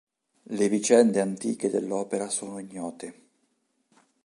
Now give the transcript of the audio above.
Le vicende antiche dell'opera sono ignote.